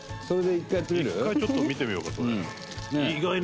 １回ちょっと見てみようかそれ。